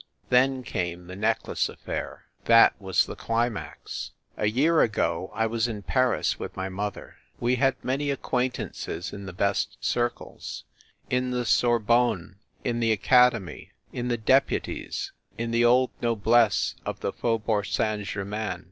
Then came the necklace affair. That was the climax. A year ago I was in Paris with my mother. We had many acquaintances in the best circles, in the Sorbonne, in the Academy, in the Deputies, in the old noblesse of the Faubourg Saint Germain.